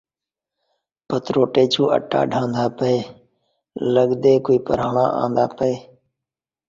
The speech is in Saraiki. بندہ ٹھوکر کھا کے سنبھلدے